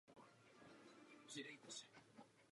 Pak do osudu kina vstoupila německá okupace.